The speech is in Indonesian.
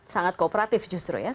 sangat kooperatif justru ya